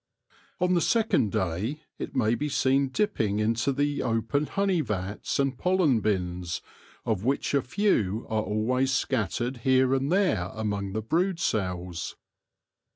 On the second day it may be seen dipping into the open honey vats and pollen bins, of which a few are always scattered here and there among the brood cells.